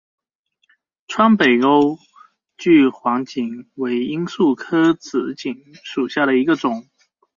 川北钩距黄堇为罂粟科紫堇属下的一个种。